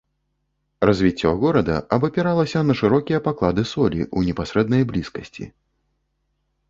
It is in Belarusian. Развіццё горада абапіралася на шырокія паклады солі ў непасрэднай блізкасці.